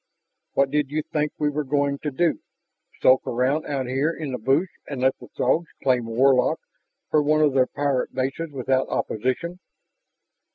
What did you think we were going to do? Sulk around out here in the bush and let the Throgs claim Warlock for one of their pirate bases without opposition?"